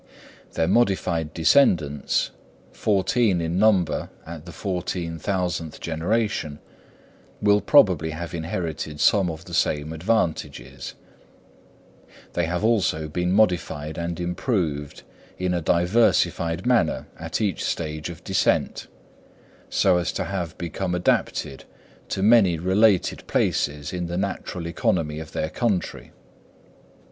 Their modified descendants, fourteen in number at the fourteen thousandth generation, will probably have inherited some of the same advantages: they have also been modified and improved in a diversified manner at each stage of descent, so as to have become adapted to many related places in the natural economy of their country.